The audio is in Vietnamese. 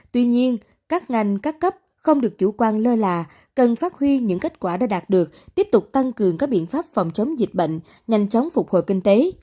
tuy nhiên các ngành các cấp không được chủ quan lơ là cần phát huy những kết quả đã đạt được tiếp tục tăng cường các biện pháp phòng chống dịch bệnh nhanh chóng phục hồi kinh tế